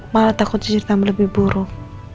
malah takut cerita lebih buruk